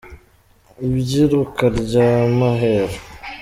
Ibyiruka ryamaheru.